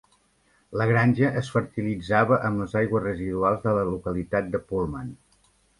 La granja es fertilitzava amb les aigües residuals de la localitat de Pullman.